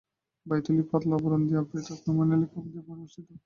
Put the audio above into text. বায়ুথলি পাতলা আবরণ দিয়ে আবৃত কৈমিকনালিকা দিয়ে পরিবেষ্টিত।